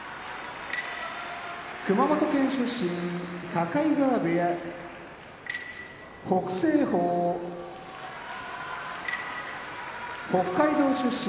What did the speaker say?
熊本県出身境川部屋北青鵬北海道出身